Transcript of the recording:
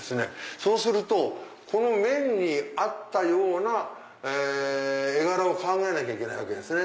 そうするとこの面に合ったような絵柄を考えなきゃいけないわけですね。